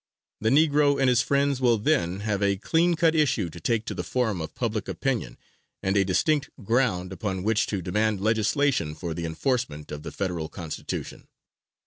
The Negro and his friends will then have a clean cut issue to take to the forum of public opinion, and a distinct ground upon which to demand legislation for the enforcement of the Federal Constitution.